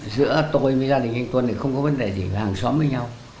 giữa tôi với gia đình anh tuân thì không có vấn đề gì là hàng xóm với nhau